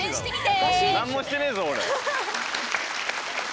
何もしてねえぞ俺。